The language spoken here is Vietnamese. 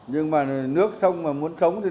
nhưng mà nước sông mà muốn sống thì nó không sống